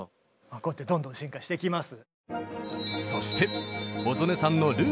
こうやってどんどん進化していきます。